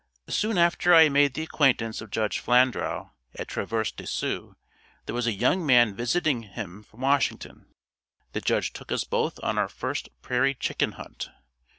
Soon after I made the acquaintance of Judge Flandrau at Traverse de Sioux there was a young man visiting him from Washington. The judge took us both on our first prairie chicken hunt.